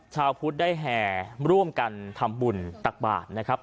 ชาวพุทธได้แห่ร่วมกันทำบุญตักบาทนะครับ